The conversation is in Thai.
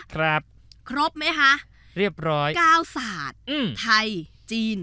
ครบไหมคะเรียบร้อยเก้าศาสตร์อืมไทยจีน